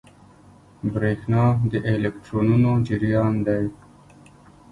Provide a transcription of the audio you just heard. برېښنا د الکترونونو جریان دی.